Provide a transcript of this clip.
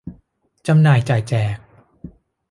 จำหน่ายจ่ายแจก